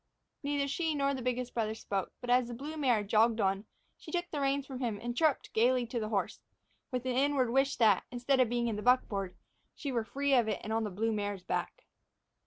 Neither she nor the biggest brother spoke, but, as the blue mare jogged on, she took the reins from him and chirruped gaily to the horse, with an inward wish that, instead of being in the buckboard, she were free of it and on the blue mare's back.